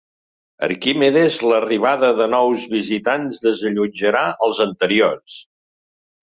Arquimedes l'arribada de nous visitants desallotjarà els anteriors.